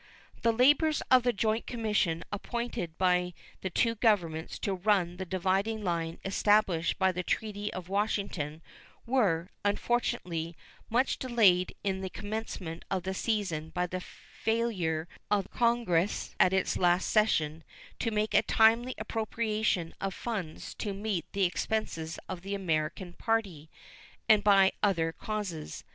The labors of the joint commission appointed by the two Governments to run the dividing line established by the treaty of Washington were, unfortunately, much delayed in the commencement of the season by the failure of Congress at its last session to make a timely appropriation of funds to meet the expenses of the American party, and by other causes.